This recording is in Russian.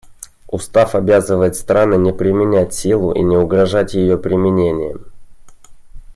Устав обязывает страны не применять силу и не угрожать ее применением.